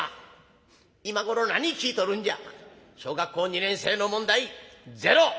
「今頃何聞いとるんじゃ。小学校２年生の問題０」。